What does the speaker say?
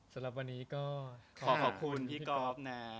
สำหรับวันนี้ก็ขอขอบคุณพี่ก๊อฟนะ